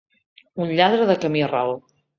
Un lladre de camí ral.